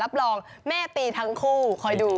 รับรองแม่ตีทั้งคู่คอยดู